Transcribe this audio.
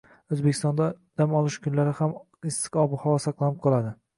O‘zbekistonda dam olish kunlari ham issiq ob-havo saqlanib qoladi